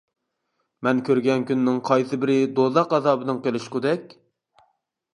مەن كۆرگەن كۈننىڭ قايسىبىرى دوزاخ ئازابىدىن قېلىشقۇدەك؟ !